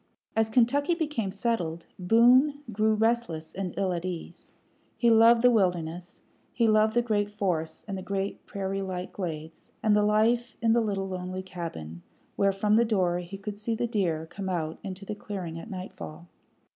As Kentucky became settled, Boone grew restless and ill at ease. He loved the wilderness; he loved the great forests and the great prairie like glades, and the life in the little lonely cabin, where from the door he could see the deer come out into the clearing at nightfall.